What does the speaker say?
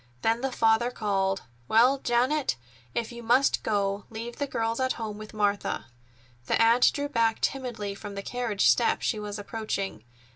Then the father called: "Well, Janet, if you must go, leave the girls at home with Martha." The aunt drew back timidly from the carriage step she was approaching.